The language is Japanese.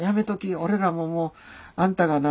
俺らももうあんたがな